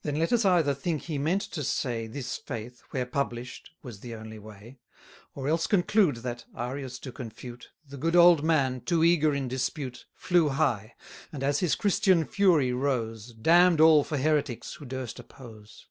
Then let us either think he meant to say This faith, where publish'd, was the only way; Or else conclude that, Arius to confute, 220 The good old man, too eager in dispute, Flew high; and as his Christian fury rose, Damn'd all for heretics who durst oppose.